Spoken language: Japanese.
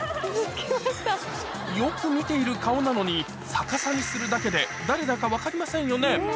よく見ている顔なのに逆さにするだけで誰だか分かりませんよね